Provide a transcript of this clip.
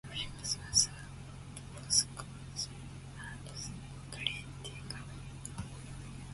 The film was a flop both commercially and critically.